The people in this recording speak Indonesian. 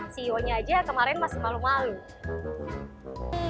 ceo nya aja kemarin masih malu malu